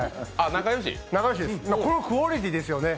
仲良し、このクオリティーですよね。